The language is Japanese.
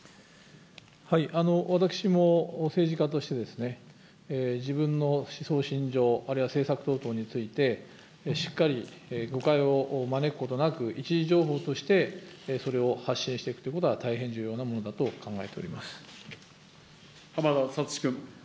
私も、政治家として自分の思想信条、あるいは政策等々について、しっかり誤解を招くことなく、一次情報としてそれを発信していくということは大変重要なものだ浜田聡君。